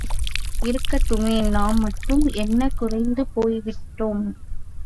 இருக்கட்டுமே, நாம் மட்டும் என்ன குறைந்து போய்விட்டோம்?